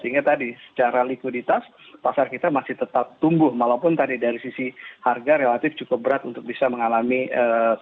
sehingga tadi secara likuiditas pasar kita masih tetap tumbuh walaupun tadi dari sisi harga relatif cukup berat untuk bisa mengalami peningkatan